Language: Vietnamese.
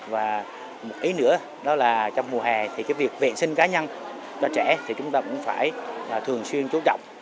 và một ý nữa đó là trong mùa hè thì cái việc vệ sinh cá nhân cho trẻ thì chúng ta cũng phải thường xuyên chú trọng